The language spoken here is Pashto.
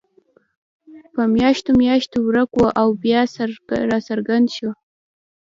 په میاشتو میاشتو ورک وو او بیا راڅرګند شو.